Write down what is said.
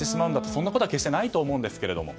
そんなことは決してないと思うんですけど。